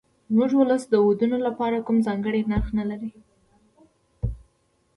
زموږ ولس د ودونو لپاره کوم ځانګړی نرخ نه لري.